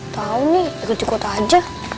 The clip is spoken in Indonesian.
tau nih ikut di kota aja